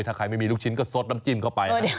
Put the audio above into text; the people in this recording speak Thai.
ถ้าใครไม่มีลูกชิ้นก็ซดน้ำจิ้มเข้าไป